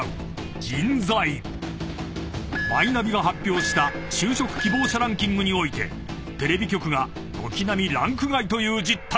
［マイナビが発表した就職希望者ランキングにおいてテレビ局が軒並みランク外という実態が明らかに］